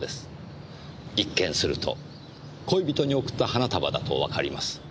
一見すると恋人に贈った花束だとわかります。